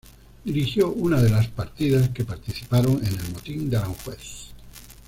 Dirigió una de las partidas que participaron en el motín de Aranjuez.